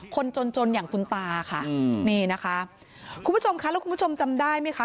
คนจนจนอย่างคุณตาค่ะอืมนี่นะคะคุณผู้ชมคะแล้วคุณผู้ชมจำได้ไหมคะ